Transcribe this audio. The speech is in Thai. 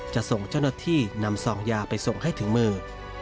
ส่งเจ้าหน้าที่นำซองยาไปส่งให้ถึงมือ